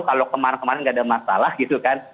kalau kemarin kemarin nggak ada masalah gitu kan